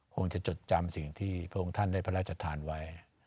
คงจะจดจำสิ่งที่พระองค์ท่านได้พระราชทานไว้